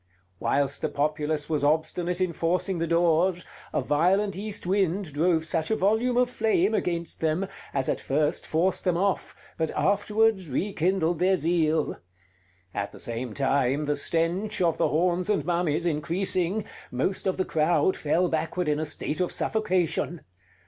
Whilst the populace was obstinate in forcing the doors, a violent east wind drove such a volume of flame against them, as at first forced them off, but afterwards rekindled their zeal. At the same time, the stench of the horns and mummies increasing, most of the crowd fell backward in a state of suffocation.